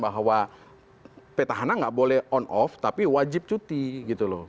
bahwa petahana tidak boleh on off tapi wajib cuti